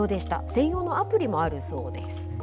専用のアプリもあるそうです。